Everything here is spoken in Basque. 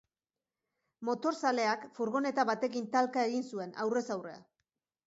Motorzaleak furgoneta batekin talka egin zuen, aurrez aurre.